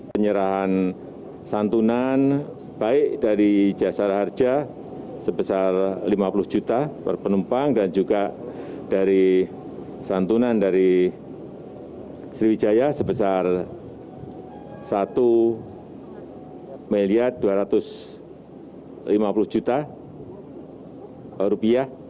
penyerahan santunan baik dari jasara harja sebesar rp lima puluh juta per penumpang dan juga dari santunan dari sriwijaya sebesar rp satu dua ratus lima puluh